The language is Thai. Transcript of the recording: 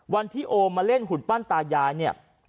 วันที่โอมาเล่นหุ่นปั้นตายายเนี่ย